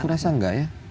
aku rasa tidak ya